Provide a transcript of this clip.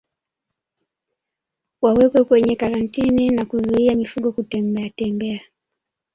Waweke kwenye karantini na kuzuia mifugo kutembeatembea